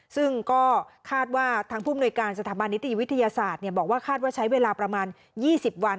ซึ่งก็คาดว่าทางผู้มนุยการสถาบันนิติวิทยาศาสตร์บอกว่าคาดว่าใช้เวลาประมาณ๒๐วัน